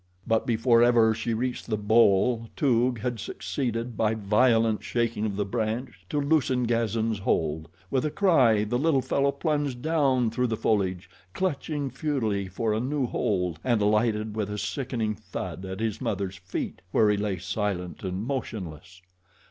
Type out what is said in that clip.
But before ever she reached the bole, Toog had succeeded, by violent shaking of the branch, to loosen Gazan's hold. With a cry the little fellow plunged down through the foliage, clutching futilely for a new hold, and alighted with a sickening thud at his mother's feet, where he lay silent and motionless.